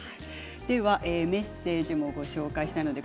メッセージもご紹介します。